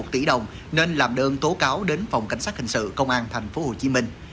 một tỷ đồng nên làm đơn tố cáo đến phòng cảnh sát hình sự công an tp hcm